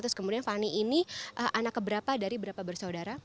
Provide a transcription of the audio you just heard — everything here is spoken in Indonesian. terus kemudian fani ini anak keberapa dari berapa bersaudara